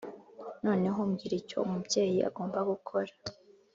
noneho mbwira icyo umubyeyi agomba gukora